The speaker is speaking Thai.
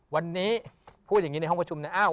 วันนี้พูดอย่างนี้ในห้องประชุมนะ